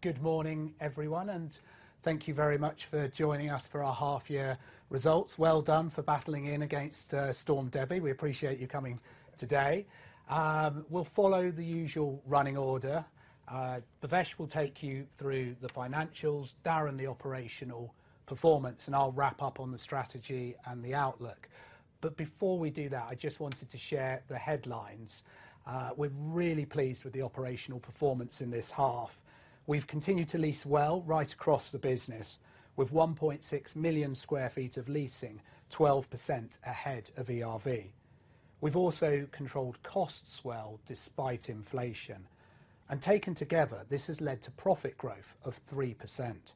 Good morning, everyone, and thank you very much for joining us for our half year results. Well done for battling in against Storm Debie. We appreciate you coming today. We'll follow the usual running order. Bhavesh will take you through the financials, Darren, the operational performance, and I'll wrap up on the strategy and the outlook. But before we do that, I just wanted to share the headlines. We're really pleased with the operational performance in this half. We've continued to lease well right across the business, with 1.6 million sq ft of leasing, 12% ahead of ERV. We've also controlled costs well despite inflation, and taken together, this has led to profit growth of 3%.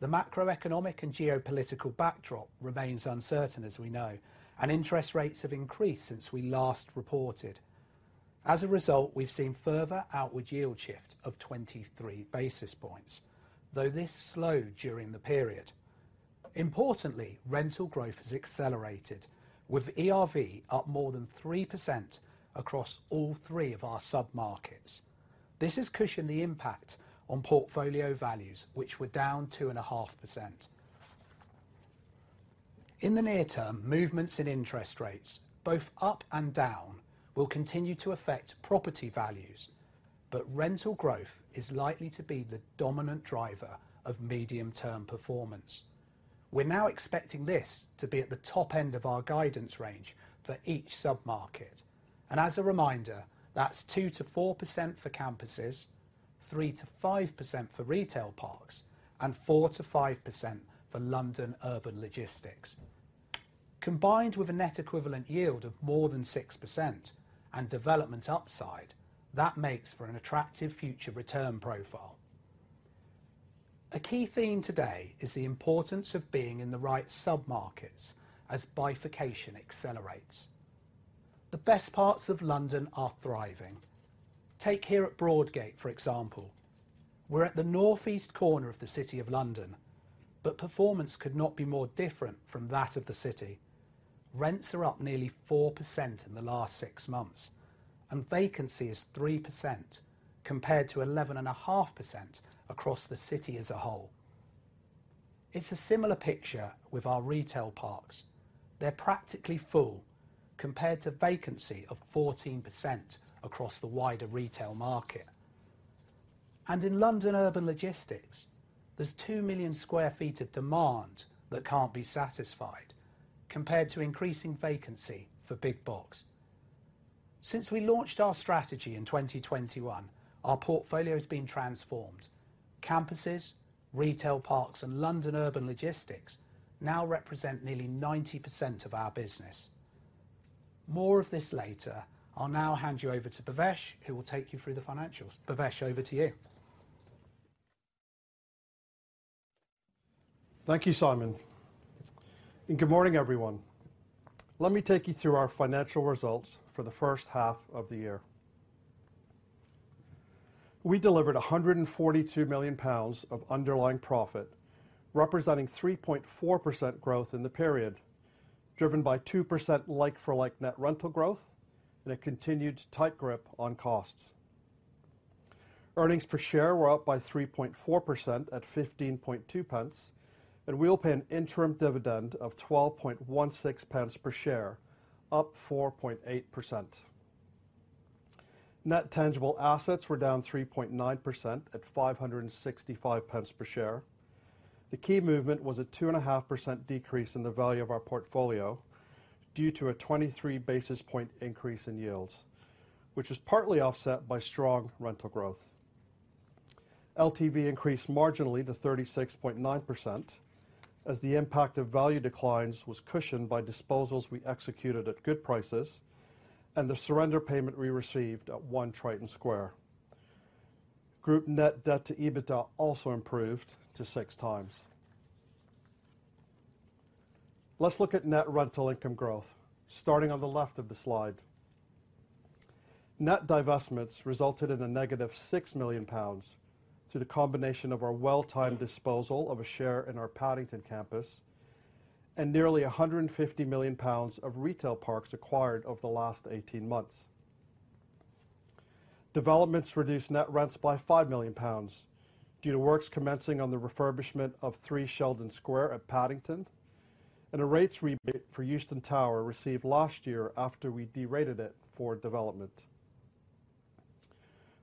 The macroeconomic and geopolitical backdrop remains uncertain, as we know, and interest rates have increased since we last reported. As a result, we've seen further outward yield shift of 23 basis points, though this slowed during the period. Importantly, rental growth has accelerated, with ERV up more than 3% across all three of our sub-markets. This has cushioned the impact on portfolio values, which were down 2.5%. In the near term, movements in interest rates, both up and down, will continue to affect property values, but rental growth is likely to be the dominant driver of medium-term performance. We're now expecting this to be at the top end of our guidance range for each sub-market, and as a reminder, that's 2%-4% for campuses, 3%-5% for retail parks, and 4%-5% for London urban logistics. Combined with a net equivalent yield of more than 6% and development upside, that makes for an attractive future return profile. A key theme today is the importance of being in the right sub-markets as bifurcation accelerates. The best parts of London are thriving. Take here at Broadgate, for example. We're at the northeast corner of the City of London, but performance could not be more different from that of the city. Rents are up nearly 4% in the last six months, and vacancy is 3%, compared to 11.5% across the city as a whole. It's a similar picture with our retail parks. They're practically full, compared to vacancy of 14% across the wider retail market. And in London urban logistics, there's 2 million sq ft of demand that can't be satisfied, compared to increasing vacancy for big box. Since we launched our strategy in 2021, our portfolio has been transformed. Campuses, retail parks, and London urban logistics now represent nearly 90% of our business. More of this later. I'll now hand you over to Bhavesh, who will take you through the financials. Bhavesh, over to you. Thank you, Simon, and good morning, everyone. Let me take you through our financial results for the first half of the year. We delivered 142 million pounds of underlying profit, representing 3.4% growth in the period, driven by 2% like-for-like net rental growth and a continued tight grip on costs. Earnings per share were up by 3.4% at 0.152, and we'll pay an interim dividend of 0.1216 pounds per share, up 4.8%. Net tangible assets were down 3.9% at 5.65 per share. The key movement was a 2.5% decrease in the value of our portfolio due to a 23 basis point increase in yields, which was partly offset by strong rental growth. LTV increased marginally to 36.9%, as the impact of value declines was cushioned by disposals we executed at good prices and the surrender payment we received at One Triton Square. Group net debt to EBITDA also improved to 6x. Let's look at net rental income growth, starting on the left of the slide. Net divestments resulted in a -6 million pounds through the combination of our well-timed disposal of a share in our Paddington campus and nearly 150 million pounds of retail parks acquired over the last 18 months. Developments reduced net rents by 5 million pounds due to works commencing on the refurbishment of Three Sheldon Square at Paddington and a rates rebate for Euston Tower received last year after we de-rated it for development.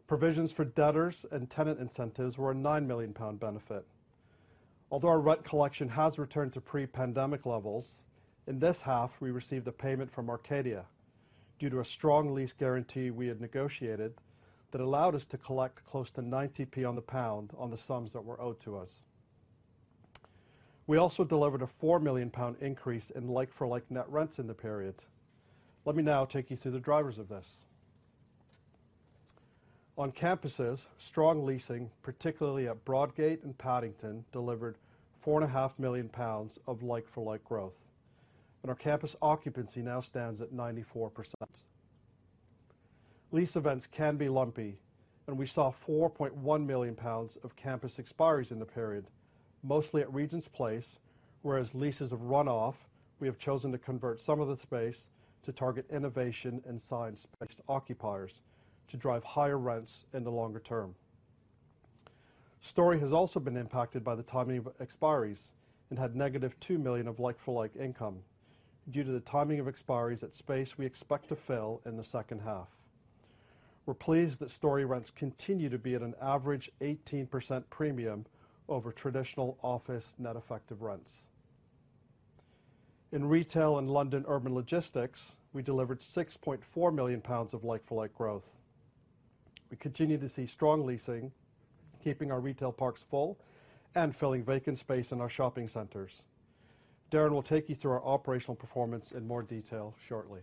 Provisions for debtors and tenant incentives were a GBP 9 million benefit. Although our rent collection has returned to pre-pandemic levels, in this half, we received a payment from Arcadia due to a strong lease guarantee we had negotiated that allowed us to collect close to 90p on the pound on the sums that were owed to us. We also delivered a 4 million pound increase in like-for-like net rents in the period. Let me now take you through the drivers of this. On campuses, strong leasing, particularly at Broadgate and Paddington, delivered 4.5 million pounds of like-for-like growth, and our campus occupancy now stands at 94%. Lease events can be lumpy, and we saw 4.1 million pounds of campus expiries in the period, mostly at Regent's Place, whereas leases have run off, we have chosen to convert some of the space to target innovation and science-based occupiers to drive higher rents in the longer term. Storey has also been impacted by the timing of expiries and had -2 million of like-for-like income due to the timing of expiries at space we expect to fill in the second half. We're pleased that Storey rents continue to be at an average 18% premium over traditional office net effective rents. In retail and London urban logistics, we delivered 6.4 million pounds of like-for-like growth. We continue to see strong leasing, keeping our retail parks full and filling vacant space in our shopping centers. Darren will take .ou through our operational performance in more detail shortly.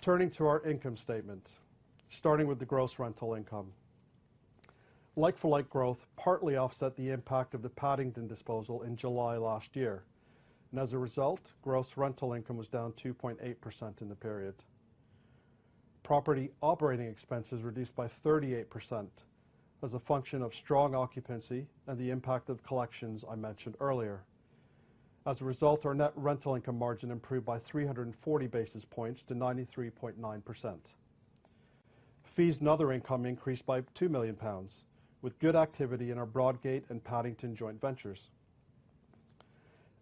Turning to our income statement, starting with the gross rental income. Like-for-like growth partly offset the impact of the Paddington disposal in July last year, and as a result, gross rental income was down 2.8% in the period. Property operating expenses reduced by 38% as a function of strong occupancy and the impact of collections I mentioned earlier. As a result, our net rental income margin improved by 340 basis points to 93.9%. Fees and other income increased by 2 million pounds, with good activity in our Broadgate and Paddington joint ventures.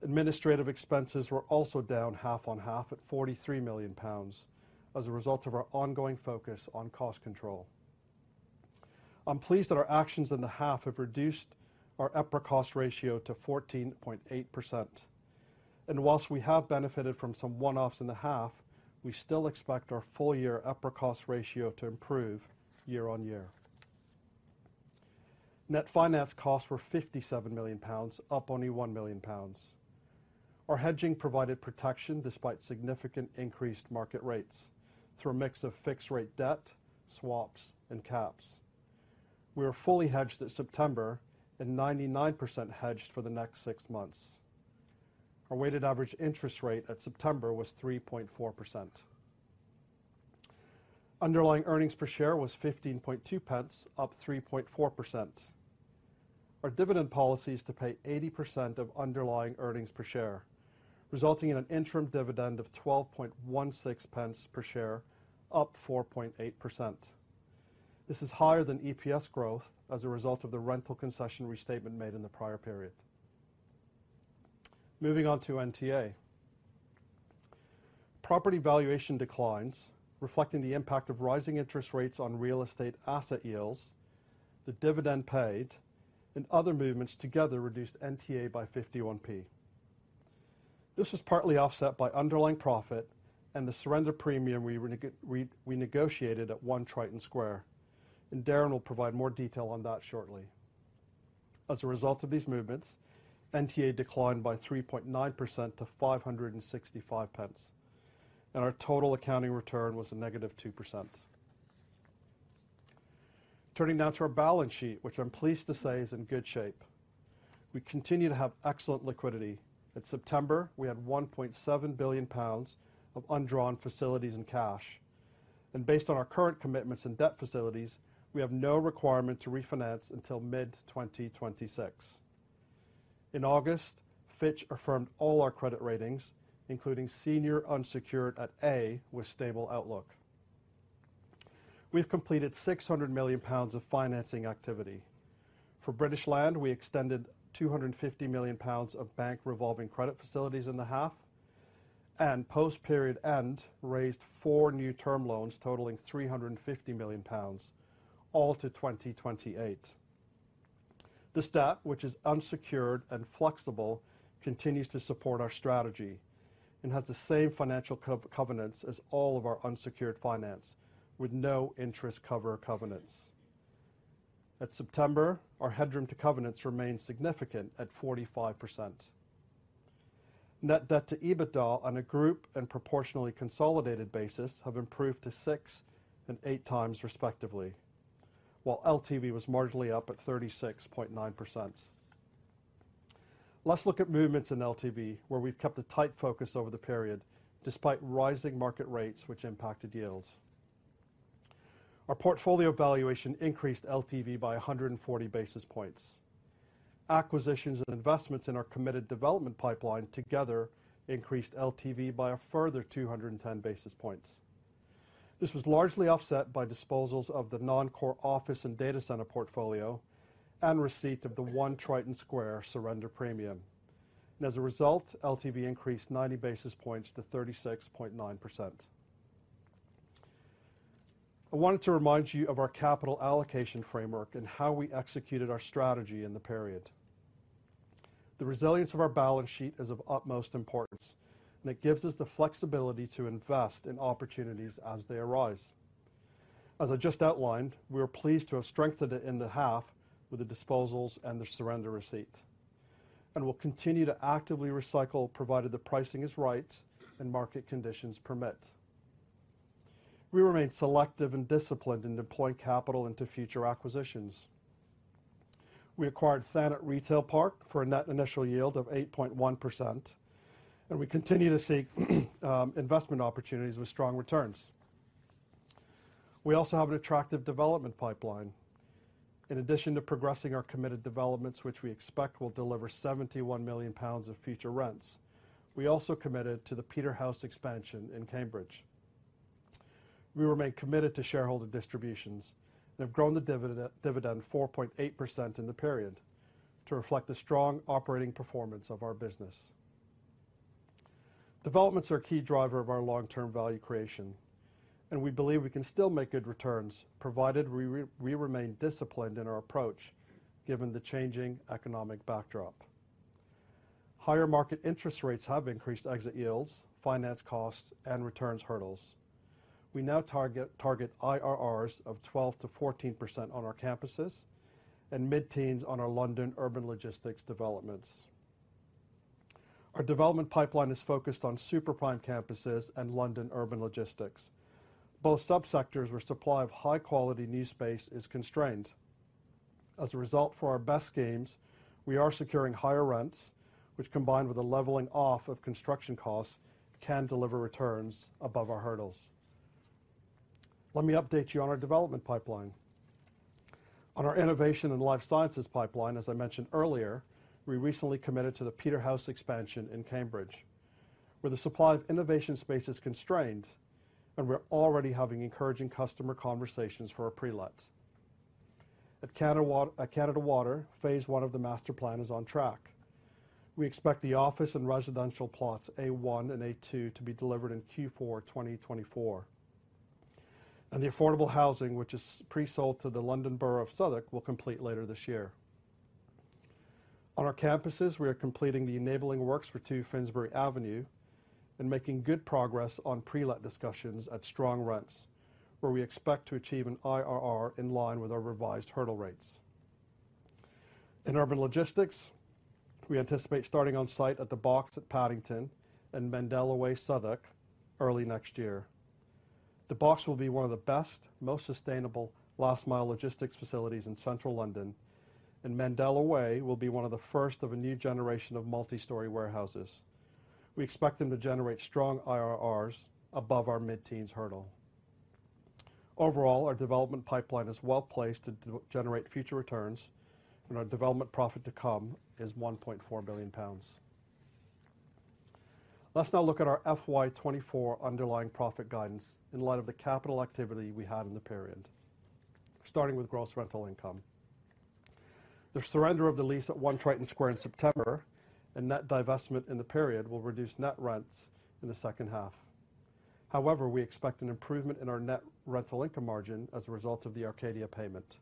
Administrative expenses were also down half on half at 43 million pounds as a result of our ongoing focus on cost control. I'm pleased that our actions in the half have reduced our EPRA cost ratio to 14.8%, and whilst we have benefited from some one-offs in the half, we still expect our full-year EPRA cost ratio to improve year-over-year. Net finance costs were 57 million pounds, up only 1 million pounds. Our hedging provided protection despite significant increased market rates through a mix of fixed rate debt, swaps, and caps. We were fully hedged at September and 99% hedged for the next six months. Our weighted average interest rate at September was 3.4%. Underlying earnings per share was 15.2 pence, up 3.4%. Our dividend policy is to pay 80% of underlying earnings per share, resulting in an interim dividend of 12.16 pence per share, up 4.8%. This is higher than EPS growth as a result of the rental concession restatement made in the prior period. Moving on to NTA. Property valuation declines, reflecting the impact of rising interest rates on real estate asset yields, the dividend paid and other movements together reduced NTA by 51p. This was partly offset by underlying profit and the surrender premium we negotiated at One Triton Square, and Darren will provide more detail on that shortly. As a result of these movements, NTA declined by 3.9% to 565 pence, and our total accounting return was -2%. Turning now to our balance sheet, which I'm pleased to say is in good shape. We continue to have excellent liquidity. At September, we had 1.7 billion pounds of undrawn facilities and cash, and based on our current commitments and debt facilities, we have no requirement to refinance until mid-2026. In August, Fitch affirmed all our credit ratings, including senior unsecured at A, with stable outlook. We've completed 600 million pounds of financing activity. For British Land, we extended 250 million pounds of bank revolving credit facilities in the half, and post-period end, raised four new term loans totaling 350 million pounds, all to 2028. This debt, which is unsecured and flexible, continues to support our strategy and has the same financial covenants as all of our unsecured finance, with no interest cover covenants. At September, our headroom to covenants remained significant at 45%. Net debt to EBITDA on a group and proportionally consolidated basis have improved to six and eight times, respectively, while LTV was marginally up at 36.9%. Let's look at movements in LTV, where we've kept a tight focus over the period, despite rising market rates which impacted yields. Our portfolio valuation increased LTV by 140 basis points. Acquisitions and investments in our committed development pipeline together increased LTV by a further 210 basis points. This was largely offset by disposals of the non-core office and data center portfolio and receipt of the One Triton Square surrender premium. As a result, LTV increased 90 basis points to 36.9%. I wanted to remind you of our capital allocation framework and how we executed our strategy in the period. The resilience of our balance sheet is of utmost importance, and it gives us the flexibility to invest in opportunities as they arise. As I just outlined, we are pleased to have strengthened it in the half with the disposals and the surrender receipt, and we'll continue to actively recycle, provided the pricing is right and market conditions permit. We remain selective and disciplined in deploying capital into future acquisitions. We acquired Thanet Retail Park for a net initial yield of 8.1%, and we continue to seek investment opportunities with strong returns. We also have an attractive development pipeline. In addition to progressing our committed developments, which we expect will deliver 71 million pounds of future rents, we also committed to the Peterhouse expansion in Cambridge.... We remain committed to shareholder distributions and have grown the dividend 4.8% in the period to reflect the strong operating performance of our business. Developments are a key driver of our long-term value creation, and we believe we can still make good returns, provided we remain disciplined in our approach, given the changing economic backdrop. Higher market interest rates have increased exit yields, finance costs, and returns hurdles. We now target IRRs of 12%-14% on our campuses and mid-teens on our London urban logistics developments. Our development pipeline is focused on Super prime campuses and London urban logistics, both subsectors where supply of high-quality new space is constrained. As a result, for our best schemes, we are securing higher rents, which, combined with a leveling off of construction costs, can deliver returns above our hurdles. Let me update you on our development pipeline. On our innovation and life sciences pipeline, as I mentioned earlier, we recently committed to the Peterhouse expansion in Cambridge, where the supply of innovation space is constrained, and we're already having encouraging customer conversations for our pre-let. At Canada Water, phase one of the master plan is on track. We expect the office and residential plots, A1 and A2, to be delivered in Q4 2024, and the affordable housing, which is pre-sold to the London Borough of Southwark, will complete later this year. On our campuses, we are completing the enabling works for 2 Finsbury Avenue and making good progress on pre-let discussions at strong rents, where we expect to achieve an IRR in line with our revised hurdle rates. In urban logistics, we anticipate starting on site at the Box at Paddington and Mandela Way, Southwark, early next year. The Box will be one of the best, most sustainable last-mile logistics facilities in central London, and Mandela Way will be one of the first of a new generation of multi-story warehouses. We expect them to generate strong IRRs above our mid-teens hurdle. Overall, our development pipeline is well-placed to generate future returns, and our development profit to come is 1.4 billion pounds. Let's now look at our FY 2024 underlying profit guidance in light of the capital activity we had in the period, starting with gross rental income. The surrender of the lease at One Triton Square in September and net divestment in the period will reduce net rents in the second half. However, we expect an improvement in our net rental income margin as a result of the Arcadia payment.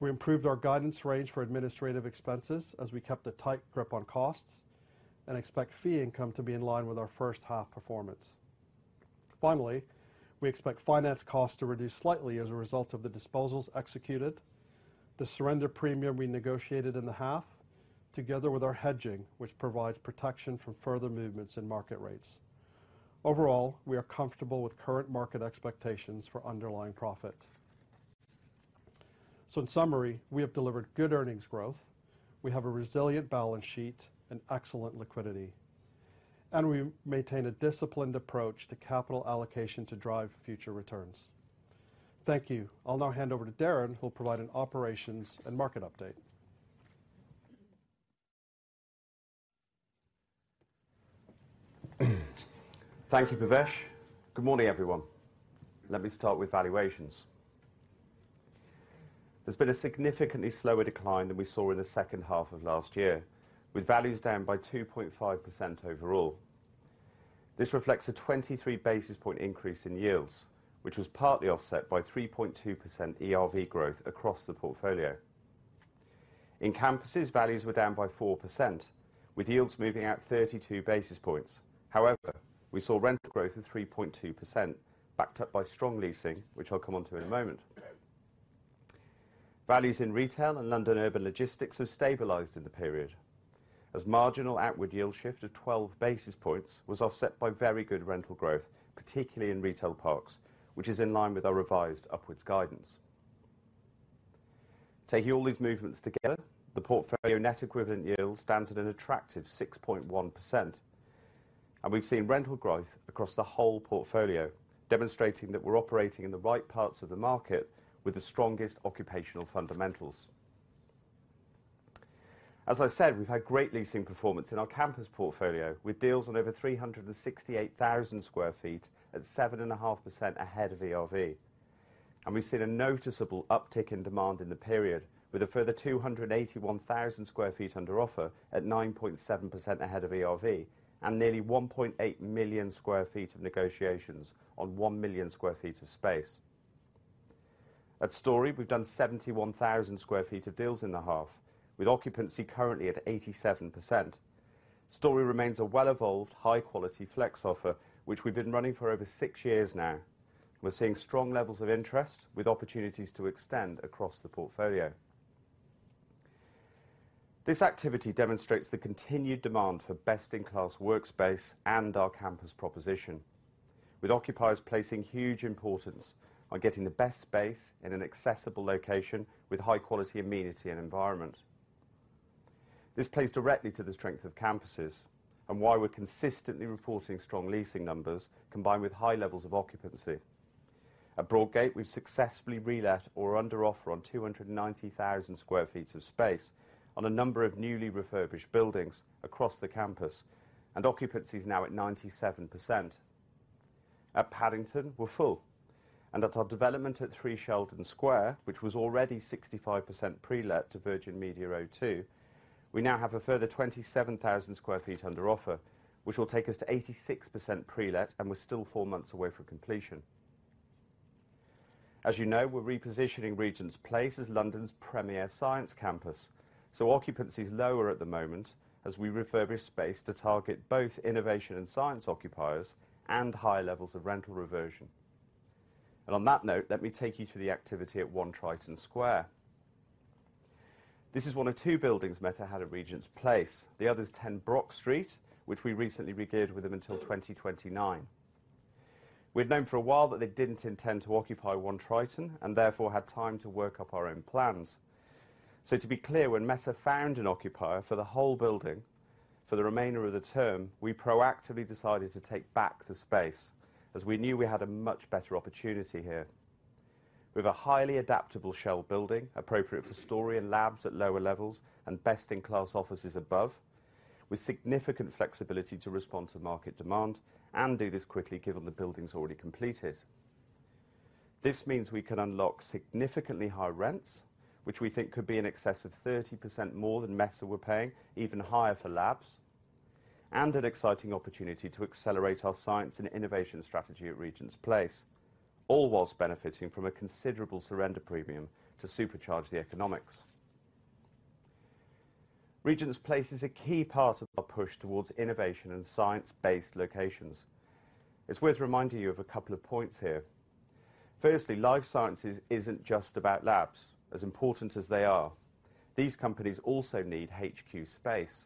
We improved our guidance range for administrative expenses as we kept a tight grip on costs and expect fee income to be in line with our first half performance. Finally, we expect finance costs to reduce slightly as a result of the disposals executed, the surrender premium we negotiated in the half, together with our hedging, which provides protection from further movements in market rates. Overall, we are comfortable with current market expectations for underlying profit. So in summary, we have delivered good earnings growth, we have a resilient balance sheet and excellent liquidity, and we maintain a disciplined approach to capital allocation to drive future returns. Thank you. I'll now hand over to Darren, who'll provide an operations and market update. Thank you, Bhavesh. Good morning, everyone. Let me start with valuations. There's been a significantly slower decline than we saw in the second half of last year, with values down by 2.5% overall. This reflects a 23 basis point increase in yields, which was partly offset by 3.2% ERV growth across the portfolio. In campuses, values were down by 4%, with yields moving out 32 basis points. However, we saw rent growth of 3.2%, backed up by strong leasing, which I'll come onto in a moment. Values in Retail and London Urban Logistics have stabilized in the period, as marginal outward yield shift of 12 basis points was offset by very good rental growth, particularly in Retail Parks, which is in line with our revised upwards guidance. Taking all these movements together, the portfolio net equivalent yield stands at an attractive 6.1%, and we've seen rental growth across the whole portfolio, demonstrating that we're operating in the right parts of the market with the strongest occupational fundamentals. As I said, we've had great leasing performance in our campus portfolio, with deals on over 368,000 sq ft at 7.5% ahead of ERV. We've seen a noticeable uptick in demand in the period, with a further 281,000 sq ft under offer at 9.7% ahead of ERV, and nearly 1.8 million sq ft of negotiations on 1 million sq ft of space. At Storey, we've done 71,000 sq ft of deals in the half, with occupancy currently at 87%. Storey remains a well-evolved, high-quality flex offer, which we've been running for over six years now. We're seeing strong levels of interest, with opportunities to extend across the portfolio. This activity demonstrates the continued demand for best-in-class workspace and our campus proposition, with occupiers placing huge importance on getting the best space in an accessible location with high-quality amenity and environment. This plays directly to the strength of campuses and why we're consistently reporting strong leasing numbers combined with high levels of occupancy. At Broadgate, we've successfully relet or are under offer on 290,000 sq ft of space on a number of newly refurbished buildings across the campus, and occupancy is now at 97%. At Paddington, we're full, and at our development at Three Sheldon Square, which was already 65% prelet to Virgin Media O2, we now have a further 27,000 sq ft under offer, which will take us to 86% prelet, and we're still four months away from completion. As you know, we're repositioning Regent's Place as London's premier science campus, so occupancy is lower at the moment as we refurbish space to target both innovation and science occupiers and higher levels of rental reversion. And on that note, let me take you through the activity at One Triton Square. This is one of two buildings Meta had at Regent's Place. The other is Ten Brock Street, which we recently regeared with them until 2029. We'd known for a while that they didn't intend to occupy One Triton and therefore had time to work up our own plans. So to be clear, when Meta found an occupier for the whole building for the remainder of the term, we proactively decided to take back the space, as we knew we had a much better opportunity here. With a highly adaptable shell building appropriate for Storey and labs at lower levels and best-in-class offices above, with significant flexibility to respond to market demand and do this quickly, given the building's already completed. This means we can unlock significantly higher rents, which we think could be in excess of 30% more than Meta were paying, even higher for labs, and an exciting opportunity to accelerate our science and innovation strategy at Regent's Place, all whilst benefiting from a considerable surrender premium to supercharge the economics. Regent's Place is a key part of our push towards innovation and science-based locations. It's worth reminding you of a couple of points here. Firstly, life sciences isn't just about labs, as important as they are. These companies also need HQ space.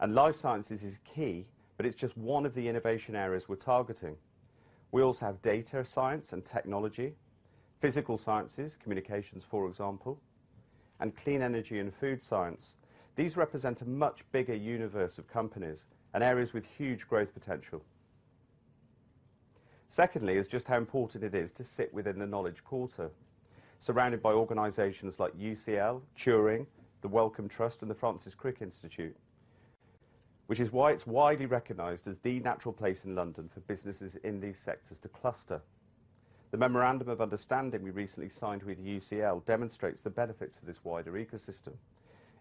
And life sciences is key, but it's just one of the innovation areas we're targeting. We also have data science and technology, physical sciences, communications, for example, and clean energy and food science. These represent a much bigger universe of companies and areas with huge growth potential. Secondly, is just how important it is to sit within the Knowledge Quarter, surrounded by organizations like UCL, Turing, the Wellcome Trust, and the Francis Crick Institute, which is why it's widely recognized as the natural place in London for businesses in these sectors to cluster. The memorandum of understanding we recently signed with UCL demonstrates the benefits of this wider ecosystem.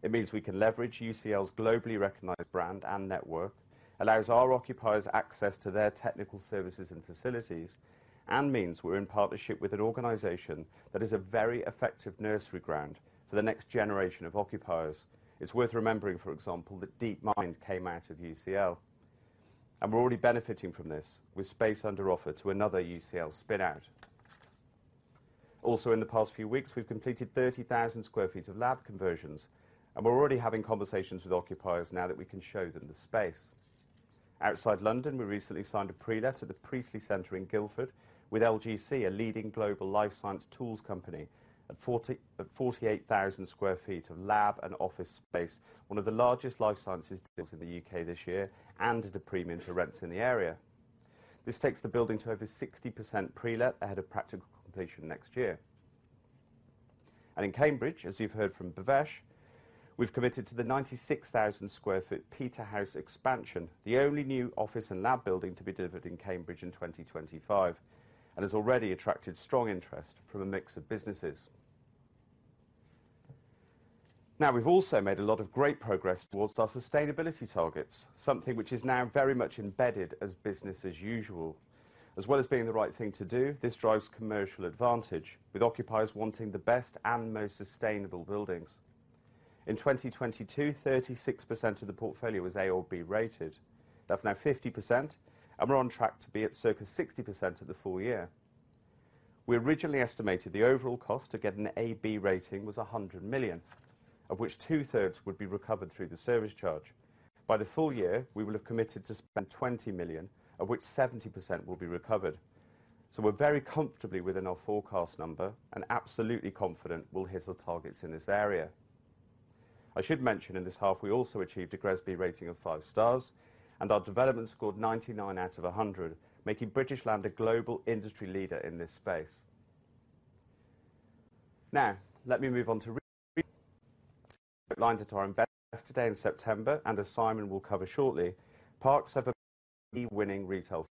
It means we can leverage UCL's globally recognized brand and network, allows our occupiers access to their technical services and facilities, and means we're in partnership with an organization that is a very effective nursery ground for the next generation of occupiers. It's worth remembering, for example, that DeepMind came out of UCL, and we're already benefiting from this with space under offer to another UCL spin-out. Also, in the past few weeks, we've completed 30,000 sq ft of lab conversions, and we're already having conversations with occupiers now that we can show them the space. Outside London, we recently signed a prelet to the Priestley Centre in Guildford with LGC, a leading global life science tools company, at 48,000 sq ft of lab and office space, one of the largest life sciences deals in the UK this year and at a premium for rents in the area. This takes the building to over 60% prelet ahead of practical completion next year. In Cambridge, as you've heard from Bhavesh, we've committed to the 96,000 sq ft Peterhouse expansion, the only new office and lab building to be delivered in Cambridge in 2025 and has already attracted strong interest from a mix of businesses. Now, we've also made a lot of great progress towards our sustainability targets, something which is now very much embedded as business as usual. As well as being the right thing to do, this drives commercial advantage, with occupiers wanting the best and most sustainable buildings. In 2022, 36% of the portfolio was A or B rated. That's now 50%, and we're on track to be at circa 60% at the full year. We originally estimated the overall cost to get an A/B rating was 100 million, of which two-thirds would be recovered through the service charge. By the full year, we will have committed to spend 20 million, of which 70% will be recovered. We're very comfortably within our forecast number and absolutely confident we'll hit our targets in this area. I should mention, in this half, we also achieved a GRESB rating of five stars, and our development scored 99 out of 100, making British Land a global industry leader in this space. Now, let me move on to retail. As outlined to our investors today in September, and as Simon will cover shortly, parks have a winning retail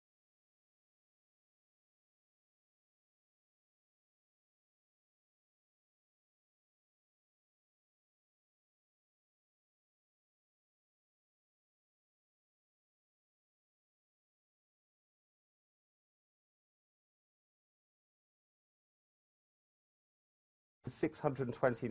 620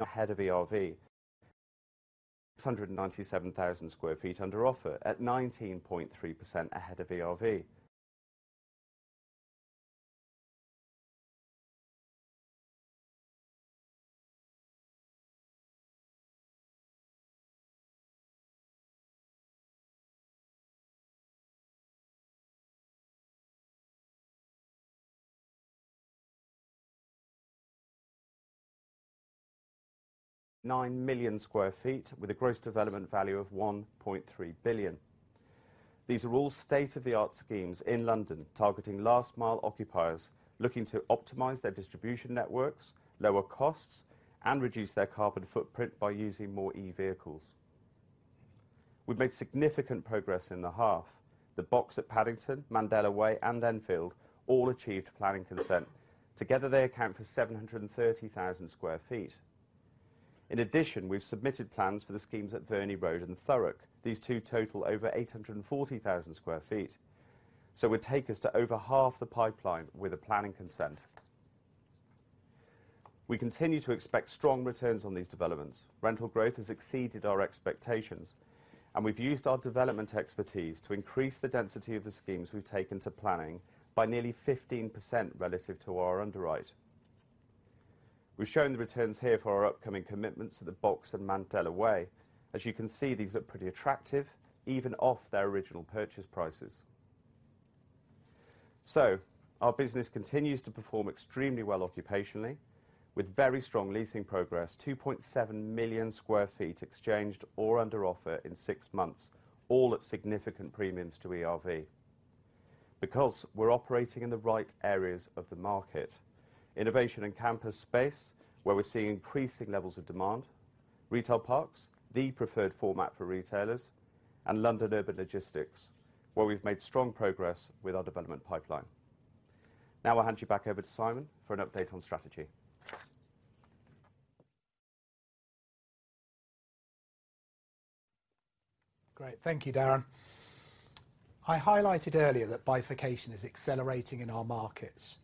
ahead of ERV. 697,000 sq ft under offer at 19.3% ahead of ERV. 9 million sq ft with a gross development value of 1.3 billion. These are all state-of-the-art schemes in London, targeting last mile occupiers looking to optimize their distribution networks, lower costs, and reduce their carbon footprint by using more e-vehicles. We've made significant progress in the half. The Box at Paddington, Mandela Way, and Enfield all achieved planning consent. Together, they account for 730,000 sq ft. In addition, we've submitted plans for the schemes at Verney Road and Thurrock. These two total over 840,000 sq ft, so would take us to over half the pipeline with a planning consent. We continue to expect strong returns on these developments. Rental growth has exceeded our expectations, and we've used our development expertise to increase the density of the schemes we've taken to planning by nearly 15% relative to our underwrite. We've shown the returns here for our upcoming commitments to The Box and Mandela Way. As you can see, these look pretty attractive, even off their original purchase prices. So our business continues to perform extremely well occupationally, with very strong leasing progress, 2.7 million sq ft exchanged or under offer in six months, all at significant premiums to ERV. Because we're operating in the right areas of the market, innovation and campus space, where we're seeing increasing levels of demand, retail parks, the preferred format for retailers, and London urban logistics, where we've made strong progress with our development pipeline. Now I'll hand you back over to Simon for an update on strategy. Great. Thank you, Darren. I highlighted earlier that bifurcation is accelerating in our markets.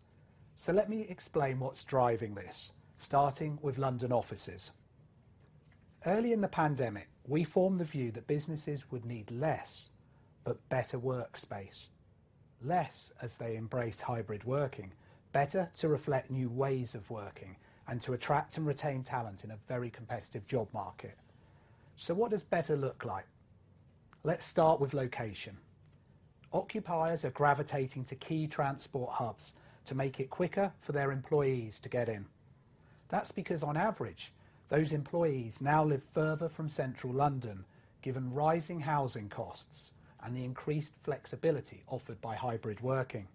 So let me explain what's driving this, starting with London offices. Early in the pandemic, we formed the view that businesses would need less, but better workspace. Less, as they embrace hybrid working. Better, to reflect new ways of working and to attract and retain talent in a very competitive job market. So what does better look like? Let's start with location. Occupiers are gravitating to key transport hubs to make it quicker for their employees to get in. That's because, on average, those employees now live further from central London, given rising housing costs and the increased flexibility offered by hybrid working.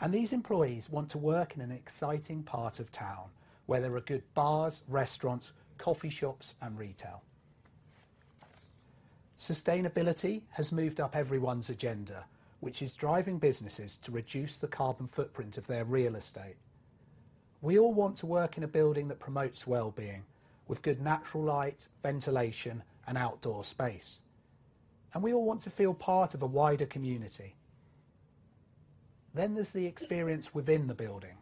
And these employees want to work in an exciting part of town where there are good bars, restaurants, coffee shops, and retail. Sustainability has moved up everyone's agenda, which is driving businesses to reduce the carbon footprint of their real estate. We all want to work in a building that promotes well-being, with good natural light, ventilation, and outdoor space, and we all want to feel part of a wider community. Then there's the experience within the building.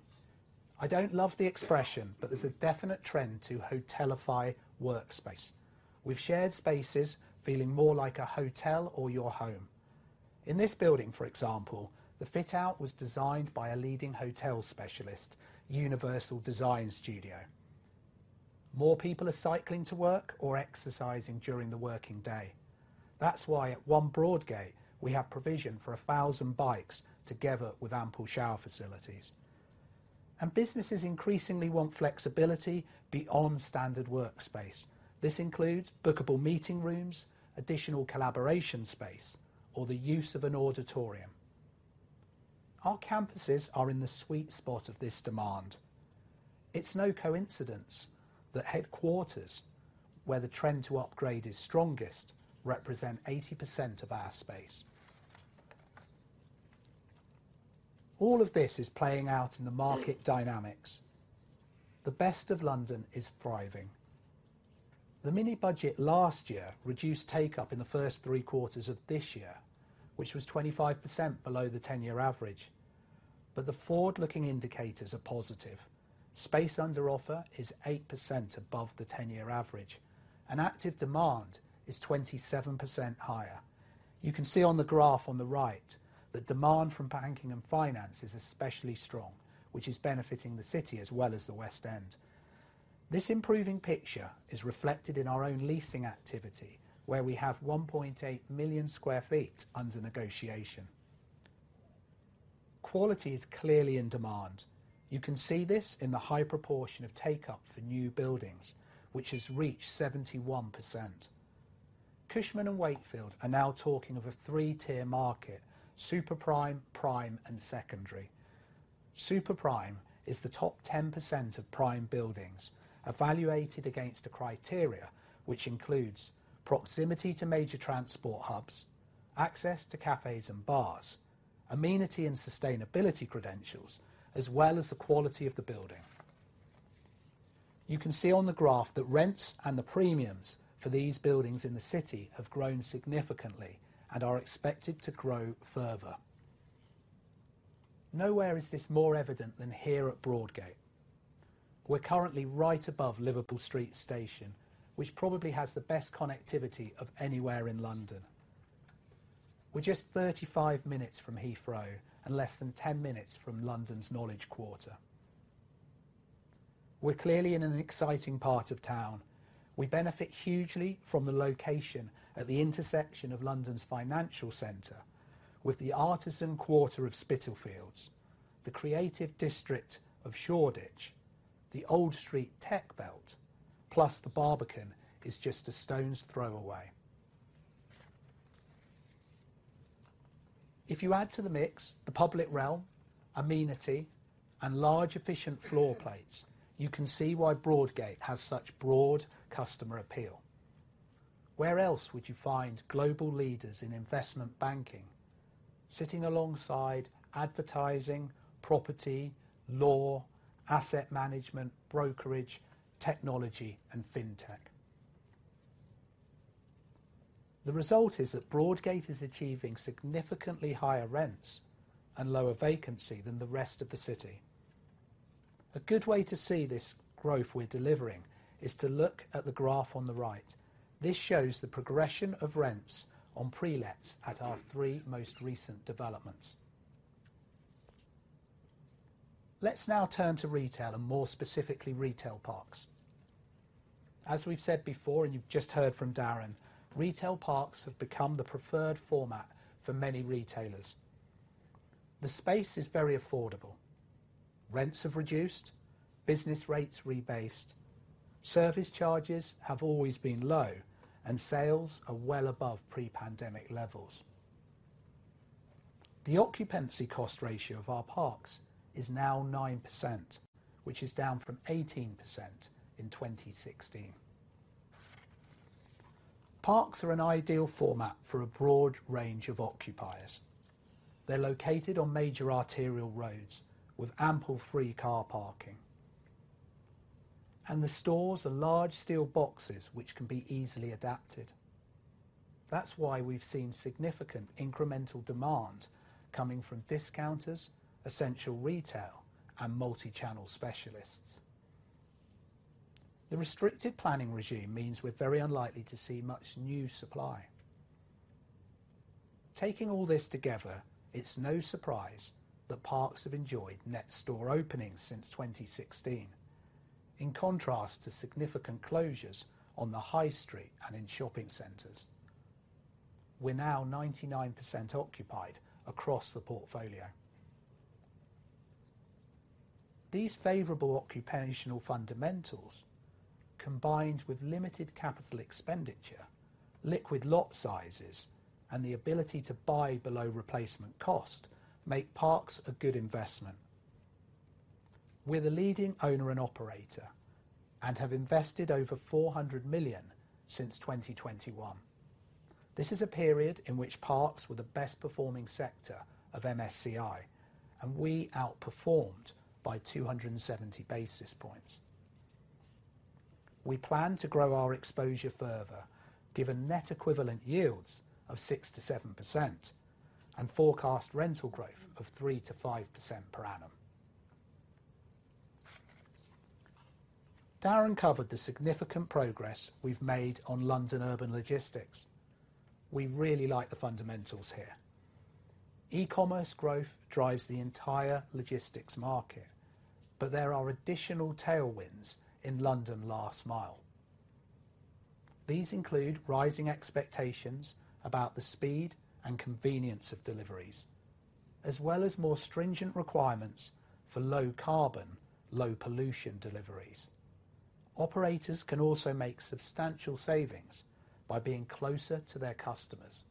I don't love the expression, but there's a definite trend to hotelify workspace, with shared spaces feeling more like a hotel or your home. In this building, for example, the fit-out was designed by a leading hotel specialist, Universal Design Studio. More people are cycling to work or exercising during the working day. That's why at One Broadgate, we have provision for 1,000 bikes together with ample shower facilities. And businesses increasingly want flexibility beyond standard workspace. This includes bookable meeting rooms, additional collaboration space, or the use of an auditorium. Our campuses are in the sweet spot of this demand. It's no coincidence that headquarters, where the trend to upgrade is strongest, represent 80% of our space. All of this is playing out in the market dynamics. The best of London is thriving. The mini budget last year reduced take up in the first three quarters of this year, which was 25% below the 10-year average. But the forward-looking indicators are positive. Space under offer is 8% above the 10-year average, and active demand is 27% higher. You can see on the graph on the right that demand from banking and finance is especially strong, which is benefiting the city as well as the West End. This improving picture is reflected in our own leasing activity, where we have 1.8 million sq ft under negotiation. Quality is clearly in demand. You can see this in the high proportion of take-up for new buildings, which has reached 71%. Cushman & Wakefield are now talking of a three-tier market: super prime, prime, and secondary. Super prime is the top 10% of prime buildings evaluated against a criteria which includes proximity to major transport hubs, access to cafes and bars, amenity and sustainability credentials, as well as the quality of the building. You can see on the graph that rents and the premiums for these buildings in the city have grown significantly and are expected to grow further. Nowhere is this more evident than here at Broadgate. We're currently right above Liverpool Street Station, which probably has the best connectivity of anywhere in London.... We're just 35 minutes from Heathrow and less than 10 minutes from London's Knowledge Quarter. We're clearly in an exciting part of town. We benefit hugely from the location at the intersection of London's financial center with the artisan quarter of Spitalfields, the creative district of Shoreditch, the Old Street Tech Belt, plus the Barbican is just a stone's throw away. If you add to the mix the public realm, amenity, and large efficient floor plates, you can see why Broadgate has such broad customer appeal. Where else would you find global leaders in investment banking sitting alongside advertising, property, law, asset management, brokerage, technology, and fintech? The result is that Broadgate is achieving significantly higher rents and lower vacancy than the rest of the city. A good way to see this growth we're delivering is to look at the graph on the right. This shows the progression of rents on pre-lets at our three most recent developments. Let's now turn to retail, and more specifically, retail parks. As we've said before, and you've just heard from Darren, retail parks have become the preferred format for many retailers. The space is very affordable. Rents have reduced, business rates rebased, service charges have always been low, and sales are well above pre-pandemic levels. The occupancy cost ratio of our parks is now 9%, which is down from 18% in 2016. Parks are an ideal format for a broad range of occupiers. They're located on major arterial roads with ample free car parking, and the stores are large steel boxes, which can be easily adapted. That's why we've seen significant incremental demand coming from discounters, essential retail, and multi-channel specialists. The restrictive planning regime means we're very unlikely to see much new supply. Taking all this together, it's no surprise that parks have enjoyed net store openings since 2016, in contrast to significant closures on the high street and in shopping centers. We're now 99% occupied across the portfolio. These favorable occupational fundamentals, combined with limited capital expenditure, liquid lot sizes, and the ability to buy below replacement cost, make parks a good investment. We're the leading owner and operator and have invested over 400 million since 2021. This is a period in which parks were the best performing sector of MSCI, and we outperformed by 270 basis points. We plan to grow our exposure further, given net equivalent yields of 6%-7% and forecast rental growth of 3%-5% per annum. Darren covered the significant progress we've made on London urban logistics. We really like the fundamentals here. E-commerce growth drives the entire logistics market, but there are additional tailwinds in London last mile. These include rising expectations about the speed and convenience of deliveries, as well as more stringent requirements for low carbon, low pollution deliveries. Operators can also make substantial savings by being closer to their customers.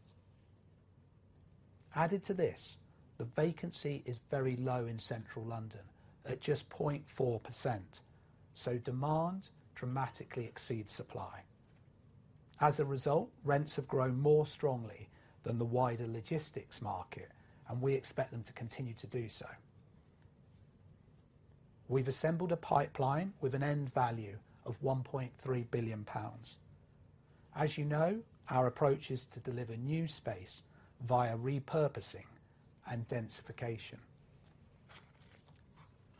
Added to this, the vacancy is very low in central London at just 0.4%, so demand dramatically exceeds supply. As a result, rents have grown more strongly than the wider logistics market, and we expect them to continue to do so. We've assembled a pipeline with an end value of 1.3 billion pounds. As you know, our approach is to deliver new space via repurposing and densification.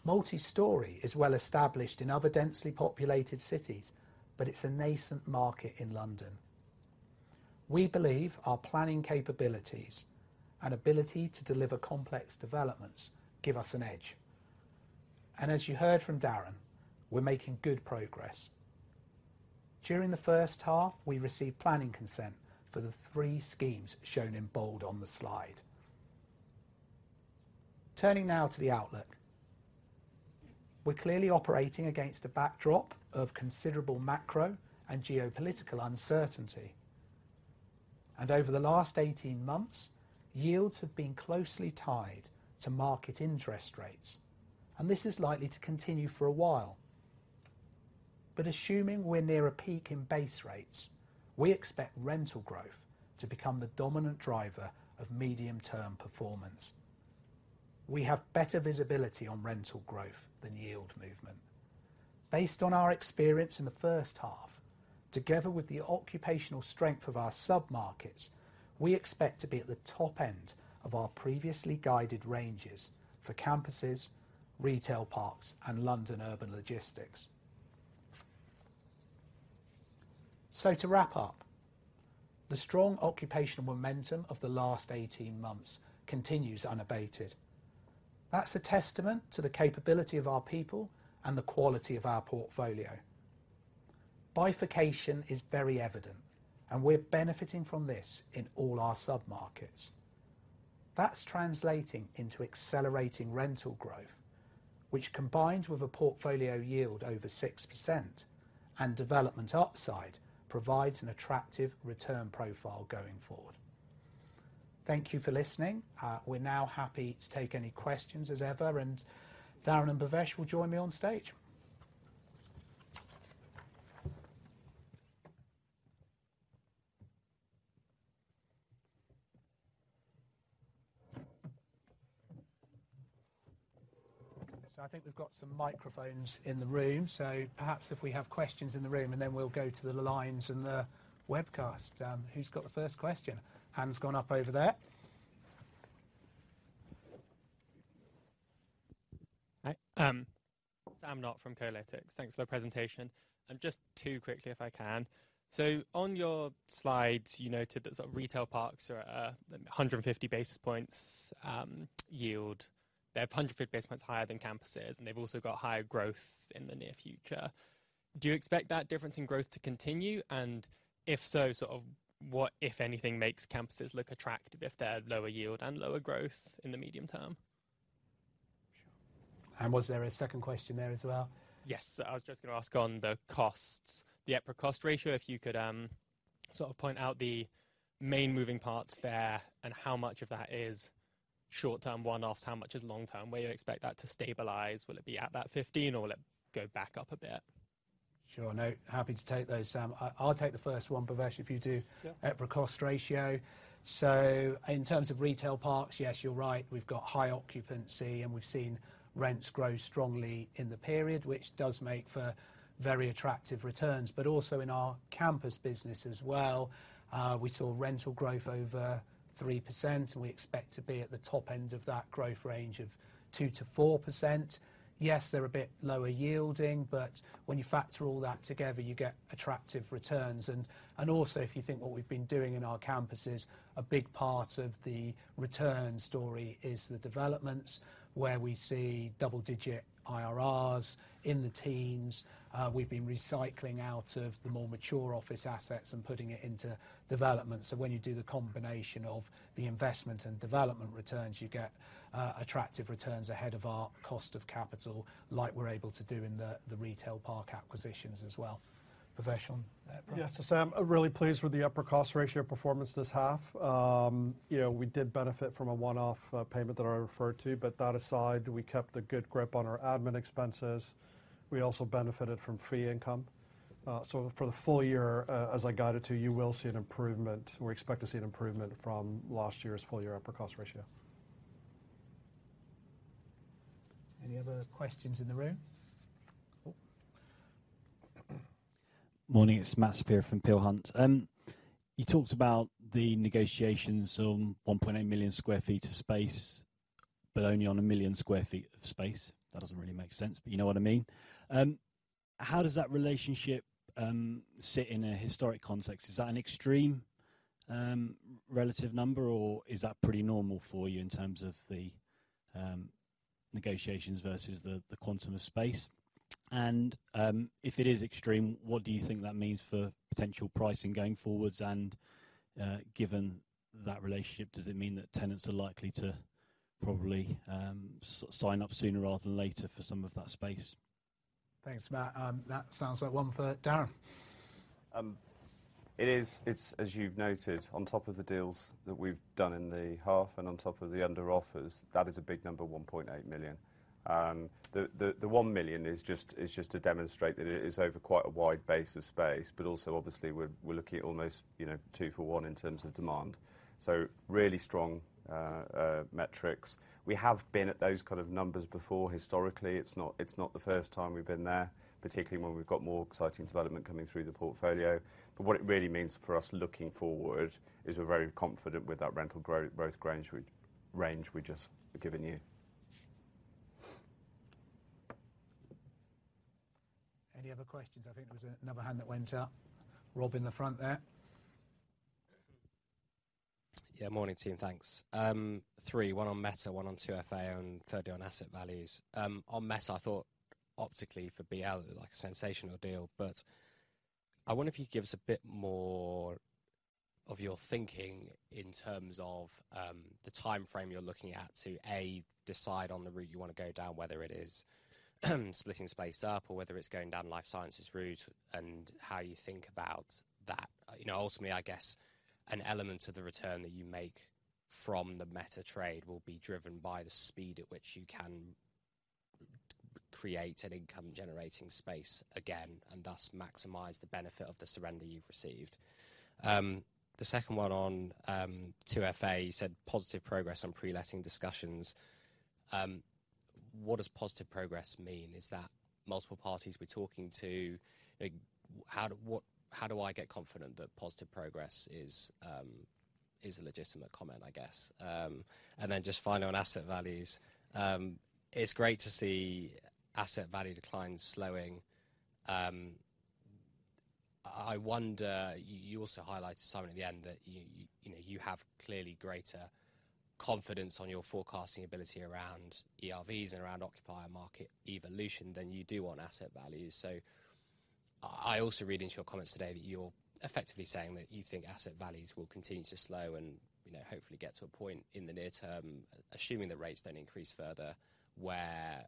Multi-story is well established in other densely populated cities, but it's a nascent market in London. We believe our planning capabilities and ability to deliver complex developments give us an edge, and as you heard from Darren, we're making good progress. During the first half, we received planning consent for the 3 schemes shown in bold on the slide. Turning now to the outlook. We're clearly operating against a backdrop of considerable macro and geopolitical uncertainty, and over the last 18 months, yields have been closely tied to market interest rates, and this is likely to continue for a while. But assuming we're near a peak in base rates, we expect rental growth to become the dominant driver of medium-term performance. We have better visibility on rental growth than yield movement. Based on our experience in the first half, together with the occupational strength of our sub-markets, we expect to be at the top end of our previously guided ranges for campuses, retail parks, and London urban logistics. So to wrap up, the strong occupational momentum of the last 18 months continues unabated. That's a testament to the capability of our people and the quality of our portfolio. Bifurcation is very evident, and we're benefiting from this in all our submarkets. That's translating into accelerating rental growth, which, combined with a portfolio yield over 6% and development upside, provides an attractive return profile going forward. Thank you for listening. We're now happy to take any questions, as ever, and Darren and Bhavesh will join me on stage. So I think we've got some microphones in the room, so perhaps if we have questions in the room, and then we'll go to the lines and the webcast. Who's got the first question? Hand's gone up over there. Hi, Sander Bunck from Barclays. Thanks for the presentation. And just two quickly, if I can. So on your slides, you noted that sort of retail parks are at 150 basis points yield. They're 150 basis points higher than campuses, and they've also got higher growth in the near future. Do you expect that difference in growth to continue? And if so, sort of what, if anything, makes campuses look attractive, if they're lower yield and lower growth in the medium term? Sure. And was there a second question there as well? Yes. I was just gonna ask on the costs, the EPRA cost ratio, if you could sort of point out the main moving parts there, and how much of that is short-term one-offs, how much is long-term? Where you expect that to stabilize? Will it be at that 15, or will it go back up a bit? Sure. No, happy to take those, Sam. I'll take the first one, Bhavesh, if you do- Yeah. EPRA cost ratio. So in terms of retail parks, yes, you're right, we've got high occupancy, and we've seen rents grow strongly in the period, which does make for very attractive returns. But also in our campus business as well, we saw rental growth over 3%, and we expect to be at the top end of that growth range of 2%-4%. Yes, they're a bit lower yielding, but when you factor all that together, you get attractive returns. And, and also, if you think what we've been doing in our campuses, a big part of the return story is the developments, where we see double-digit IRRs in the teens. We've been recycling out of the more mature office assets and putting it into development. So when you do the combination of the investment and development returns, you get attractive returns ahead of our cost of capital, like we're able to do in the retail park acquisitions as well. Bhavesh, on EPRA? Yeah. So Sam, I'm really pleased with the EPRA cost ratio performance this half. You know, we did benefit from a one-off payment that I referred to, but that aside, we kept a good grip on our admin expenses. We also benefited from fee income. So for the full year, as I guided to you, you will see an improvement. We expect to see an improvement from last year's full-year EPRA cost ratio. Any other questions in the room? Oh. Morning, it's Matt Saperia from Peel Hunt. You talked about the negotiations on 1.8 million sq ft of space, but only on 1 million sq ft of space. That doesn't really make sense, but you know what I mean. How does that relationship sit in a historic context? Is that an extreme relative number, or is that pretty normal for you in terms of the negotiations versus the quantum of space? And if it is extreme, what do you think that means for potential pricing going forward? And given that relationship, does it mean that tenants are likely to probably sign up sooner rather than later for some of that space? Thanks, Matt. That sounds like one for Darren. It is, it's, as you've noted, on top of the deals that we've done in the half and on top of the under offers, that is a big number, 1.8 million. The 1 million is just, it's just to demonstrate that it is over quite a wide base of space, but also, obviously, we're looking at almost, you know, 2-for-1 in terms of demand. So really strong metrics. We have been at those kind of numbers before, historically. It's not the first time we've been there, particularly when we've got more exciting development coming through the portfolio. But what it really means for us looking forward, is we're very confident with that rental growth range we've just given you. Any other questions? I think there was another hand that went up. Rob in the front there. Yeah, morning, team, thanks. 3, 1 on Meta, 1 on 2FA, and thirdly, on asset values. On Meta, I thought optically for BL, like a sensational deal, but I wonder if you could give us a bit more of your thinking in terms of, the timeframe you're looking at to, a, decide on the route you want to go down, whether it is, splitting space up or whether it's going down life sciences route, and how you think about that. You know, ultimately, I guess, an element of the return that you make from the meta trade will be driven by the speed at which you can create an income-generating space again, and thus maximize the benefit of the surrender you've received. The second one on, 2FA, you said positive progress on pre-letting discussions. What does positive progress mean? Is that multiple parties we're talking to? Like, how do I get confident that positive progress is a legitimate comment, I guess. And then just final on asset values. It's great to see asset value declines slowing. I wonder, you also highlighted something at the end, that you know, you have clearly greater confidence on your forecasting ability around ERVs and around occupier market evolution than you do on asset values. So I also read into your comments today that you're effectively saying that you think asset values will continue to slow and, you know, hopefully get to a point in the near term, assuming that rates don't increase further, where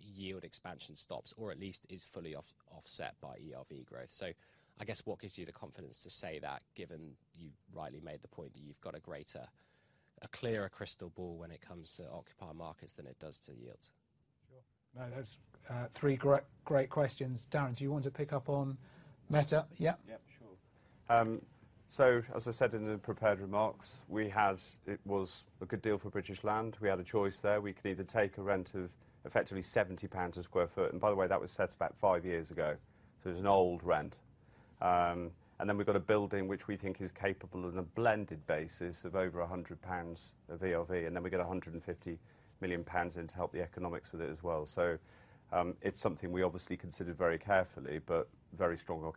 yield expansion stops, or at least is fully offset by ERV growth. I guess, what gives you the confidence to say that, given you've rightly made the point that you've got a clearer crystal ball when it comes to occupier markets than it does to yields? Sure. No, that's, three great, great questions. Darren, do you want to pick up on Meta? Yeah. Yep, sure. So as I said in the prepared remarks, we had... It was a good deal for British Land. We had a choice there. We could either take a rent of effectively 70 pounds a sq ft, and by the way, that was set about 5 years ago, so it's an old rent. And then we've got a building which we think is capable, on a blended basis, of over 100 pounds of ERV, and then we get 150 million pounds to help the economics with it as well. So, it's something we obviously considered very carefully, but very strong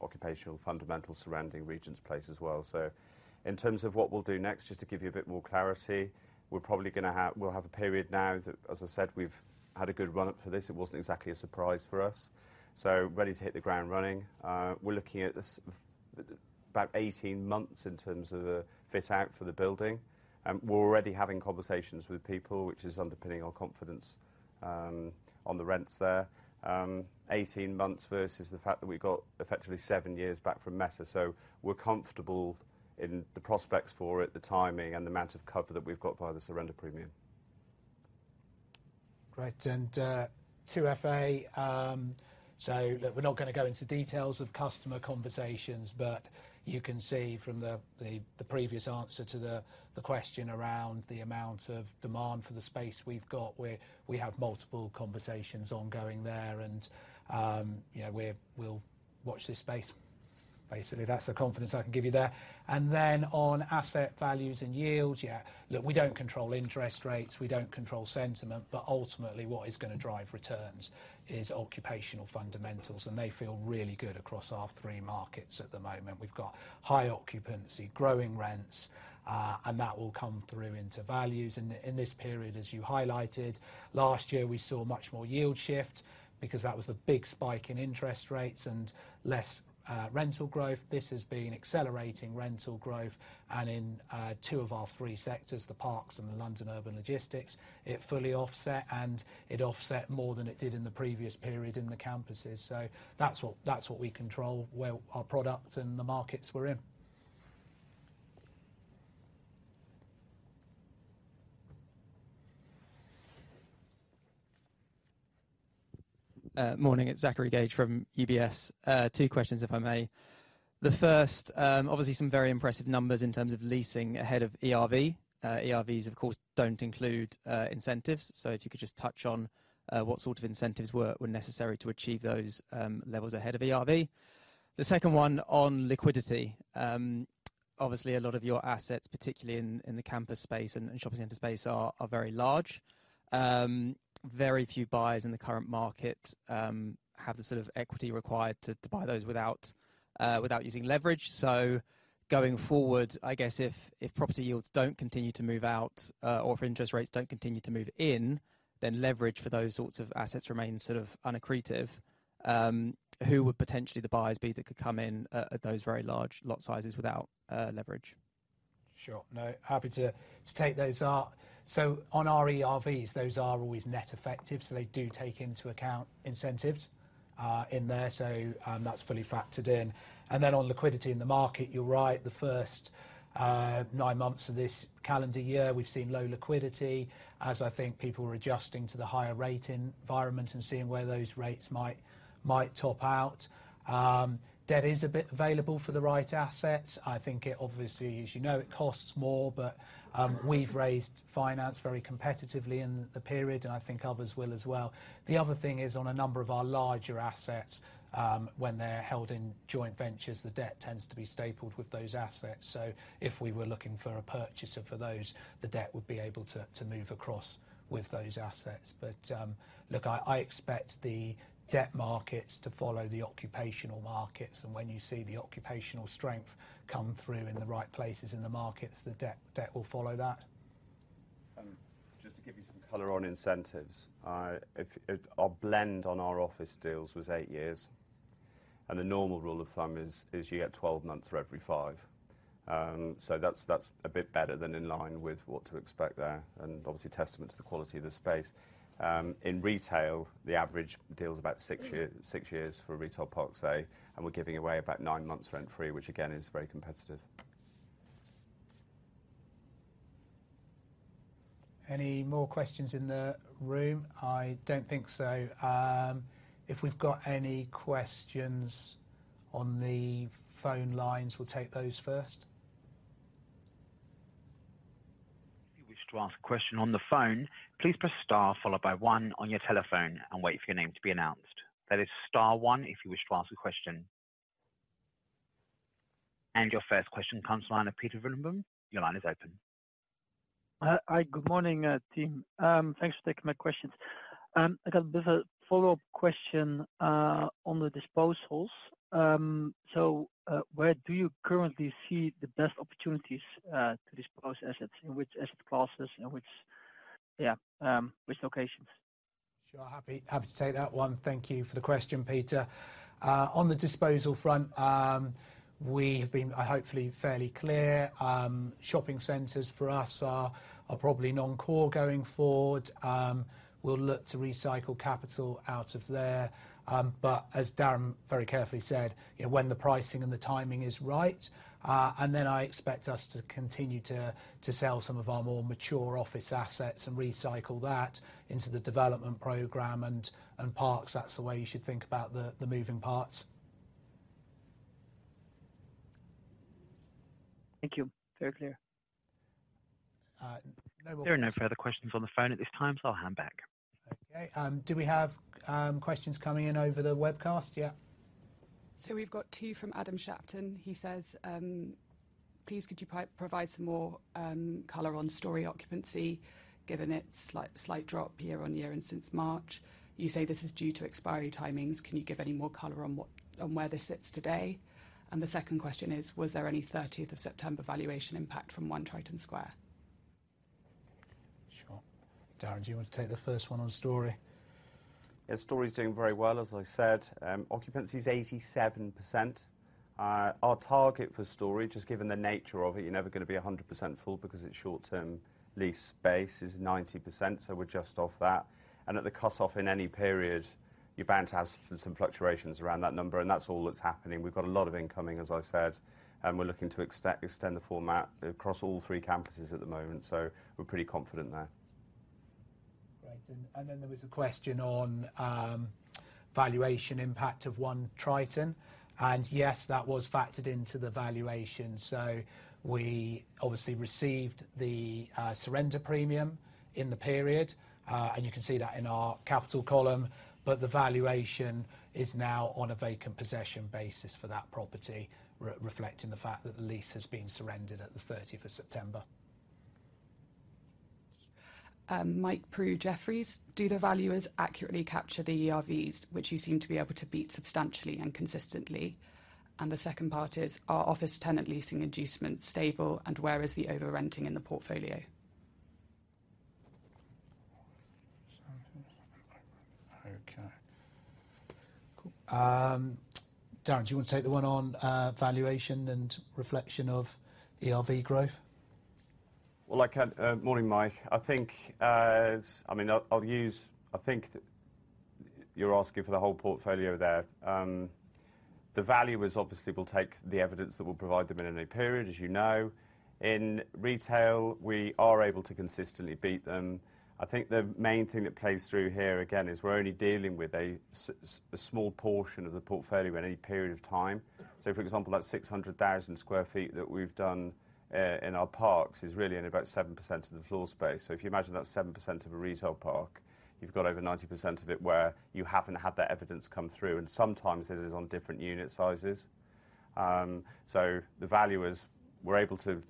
occupational fundamentals surrounding Regent's Place as well. So in terms of what we'll do next, just to give you a bit more clarity, we're probably gonna have-- we'll have a period now, that, as I said, we've had a good run-up for this. It wasn't exactly a surprise for us, so ready to hit the ground running. We're looking at this for about 18 months in terms of the fit-out for the building. We're already having conversations with people, which is underpinning our confidence on the rents there. 18 months versus the fact that we've got effectively seven years back from Meta, so we're comfortable in the prospects for it, the timing, and the amount of cover that we've got via the surrender premium. Great. And 2FA, so look, we're not gonna go into details of customer conversations, but you can see from the previous answer to the question around the amount of demand for the space we've got, we have multiple conversations ongoing there, and yeah, we'll watch this space. Basically, that's the confidence I can give you there. And then, on asset values and yields, yeah, look, we don't control interest rates, we don't control sentiment, but ultimately, what is gonna drive returns is occupational fundamentals, and they feel really good across our three markets at the moment. We've got high occupancy, growing rents, and that will come through into values. And in this period, as you highlighted, last year, we saw much more yield shift because that was the big spike in interest rates and less rental growth. This has been accelerating rental growth, and in two of our three sectors, the parks and the London Urban Logistics, it fully offset, and it offset more than it did in the previous period in the campuses. So that's what, that's what we control, where our product and the markets we're in. Morning, it's Zachary Gauge from UBS. Two questions, if I may. The first, obviously some very impressive numbers in terms of leasing ahead of ERV. ERVs, of course, don't include incentives, so if you could just touch on what sort of incentives were necessary to achieve those levels ahead of ERV. The second one, on liquidity. Obviously, a lot of your assets, particularly in the campus space and shopping center space are very large. Very few buyers in the current market have the sort of equity required to buy those without using leverage. So going forward, I guess if property yields don't continue to move out, or if interest rates don't continue to move in, then leverage for those sorts of assets remains sort of accretive. Who would potentially the buyers be that could come in at those very large lot sizes without leverage? Sure. No, happy to, to take those up. So on our ERVs, those are always net effective, so they do take into account incentives, in there, so, that's fully factored in. And then on liquidity in the market, you're right. The first, nine months of this calendar year, we've seen low liquidity, as I think people were adjusting to the higher rate environment and seeing where those rates might, might top out. Debt is a bit available for the right assets. I think it obviously, as you know, it costs more, but, we've raised finance very competitively in the period, and I think others will as well. The other thing is, on a number of our larger assets, when they're held in joint ventures, the debt tends to be stapled with those assets. So if we were looking for a purchaser for those, the debt would be able to move across with those assets. But, look, I expect the debt markets to follow the occupational markets, and when you see the occupational strength come through in the right places in the markets, the debt will follow that. Just to give you some color on incentives, our blend on our office deals was eight years, and the normal rule of thumb is you get 12 months for every 5. So that's a bit better than in line with what to expect there, and obviously, a testament to the quality of the space. In retail, the average deal is about 6 years for a retail park, say, and we're giving away about 9 months rent-free, which, again, is very competitive. Any more questions in the room? I don't think so. If we've got any questions on the phone lines, we'll take those first. ... If you wish to ask a question on the phone, please press star followed by one on your telephone and wait for your name to be announced. That is star one, if you wish to ask a question. And your first question comes from the line of Pieter Vroom. Your line is open. Hi, good morning, team. Thanks for taking my questions. I got just a follow-up question on the disposals. So, where do you currently see the best opportunities to dispose assets, in which asset classes and which locations? Sure. Happy, happy to take that one. Thank you for the question, Peter. On the disposal front, we have been, hopefully, fairly clear. Shopping centers for us are probably non-core going forward. We'll look to recycle capital out of there. But as Darren very carefully said, you know, when the pricing and the timing is right, and then I expect us to continue to sell some of our more mature office assets and recycle that into the development program and parks, that's the way you should think about the moving parts. Thank you. Very clear. No more- There are no further questions on the phone at this time, so I'll hand back. Okay, do we have questions coming in over the webcast? Yeah. So we've got two from Adam Shapton. He says, "Please, could you provide some more color on Storey occupancy, given its slight drop year-on-year and since March? You say this is due to expiry timings. Can you give any more color on where this sits today?" And the second question is: Was there any thirtieth of September valuation impact from One Triton Square? Sure. Darren, do you want to take the first one on Storey? Yes, Storey is doing very well, as I said. Occupancy is 87%. Our target for Storey, just given the nature of it, you're never gonna be 100% full because it's short term lease space, is 90%, so we're just off that. And at the cutoff in any period, you're bound to have some fluctuations around that number, and that's all that's happening. We've got a lot of incoming, as I said, and we're looking to extend the format across all three campuses at the moment, so we're pretty confident there. Great. And then there was a question on valuation impact of One Triton, and yes, that was factored into the valuation. So we obviously received the surrender premium in the period. And you can see that in our capital column, but the valuation is now on a vacant possession basis for that property, reflecting the fact that the lease has been surrendered at the 30th of September. Mike Prew, Jefferies. Do the valuers accurately capture the ERVs, which you seem to be able to beat substantially and consistently? And the second part is, are office tenant leasing inducements stable, and where is the overrenting in the portfolio? Okay. Darren, do you want to take the one on valuation and reflection of ERV growth? Well, I can... morning, Mike. I think, I mean, I'll, I'll use-- I think that you're asking for the whole portfolio there. The value is obviously, we'll take the evidence that we'll provide them in a period, as you know. In retail, we are able to consistently beat them. I think the main thing that plays through here, again, is we're only dealing with a small portion of the portfolio at any period of time. So for example, that 600,000 sq ft that we've done in our parks is really only about 7% of the floor space. So if you imagine that's 7% of a retail park, you've got over 90% of it where you haven't had that evidence come through, and sometimes it is on different unit sizes. So the value is we're able to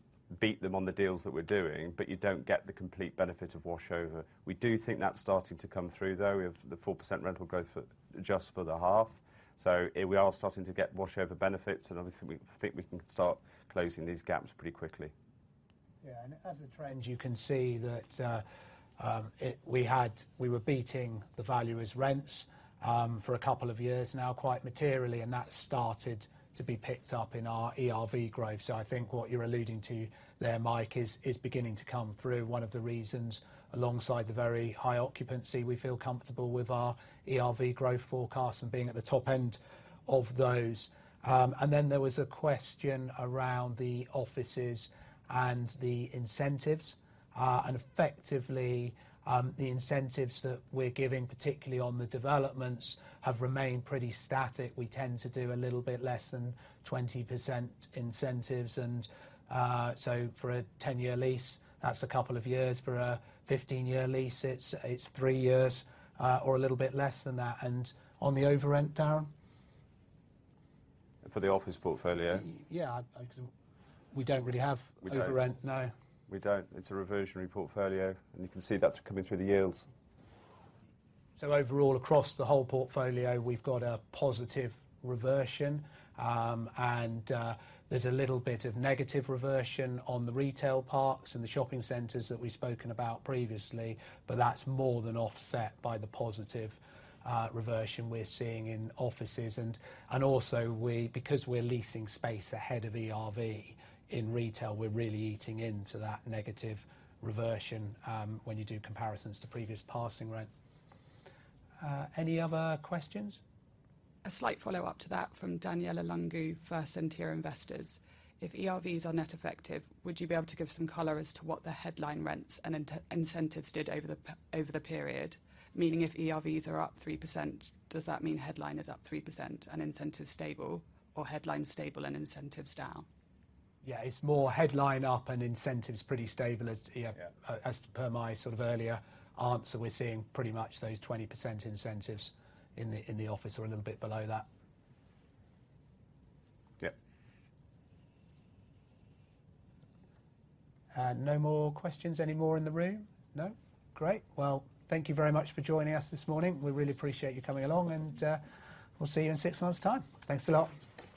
beat them on the deals that we're doing, but you don't get the complete benefit of washover. We do think that's starting to come through, though. We have the 4% rental growth for, just for the half. So we are starting to get washover benefits, and obviously, we think we can start closing these gaps pretty quickly. Yeah, and as a trend, you can see that, we were beating the valuers' rents for a couple of years now, quite materially, and that's started to be picked up in our ERV growth. So I think what you're alluding to there, Mike, is beginning to come through. One of the reasons, alongside the very high occupancy, we feel comfortable with our ERV growth forecast and being at the top end of those. And then there was a question around the offices and the incentives. And effectively, the incentives that we're giving, particularly on the developments, have remained pretty static. We tend to do a little bit less than 20% incentives, and so for a 10-year lease, that's a couple of years. For a 15-year lease, it's three years, or a little bit less than that. On the overrent, Darren? For the office portfolio? Yeah, because we don't really have- We don't. -overrent. No. We don't. It's a reversionary portfolio, and you can see that's coming through the yields. So overall, across the whole portfolio, we've got a positive reversion. And there's a little bit of negative reversion on the retail parks and the shopping centers that we've spoken about previously, but that's more than offset by the positive reversion we're seeing in offices. And also, because we're leasing space ahead of ERV in retail, we're really eating into that negative reversion when you do comparisons to previous passing rent. Any other questions? A slight follow-up to that from Daniela Lungu for Centaur Investors. If ERVs are net effective, would you be able to give some color as to what the headline rents and incentives did over the period? Meaning, if ERVs are up 3%, does that mean headline is up 3% and incentives stable, or headline stable and incentives down? Yeah, it's more headline up and incentives pretty stable. Yeah... as per my sort of earlier answer, we're seeing pretty much those 20% incentives in the office or a little bit below that. Yeah. No more questions anymore in the room? No. Great! Well, thank you very much for joining us this morning. We really appreciate you coming along, and we'll see you in six months' time. Thanks a lot.